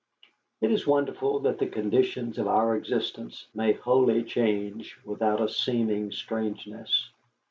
It is wonderful that the conditions of our existence may wholly change without a seeming strangeness.